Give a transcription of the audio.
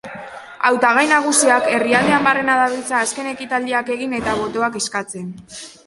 Hautagai nagusiak herrialdean barrena dabiltza azken ekitaldiak egin eta botoa eskatzen.